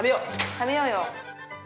◆食べようよ。